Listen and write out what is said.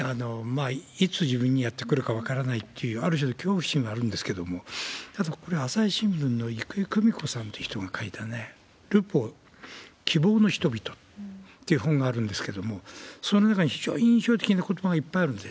いつ自分にやって来るか分からないっていう、ある種の恐怖心はあるんですけれども、これは朝日新聞のいくいくみこさんという人が書いたルポ、希望の人々っていう本があるんですけれども、その中に非常に印象的なことばがいっぱいあるんで。